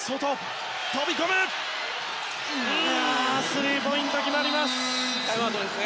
スリーポイント決まりました。